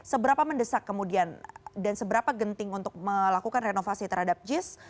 seberapa mendesak kemudian dan seberapa genting untuk melakukan renovasi terhadap jis